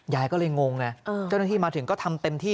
ยายก็เลยงงไงเจ้าหน้าที่มาถึงก็ทำเต็มที่